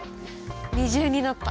二重になった！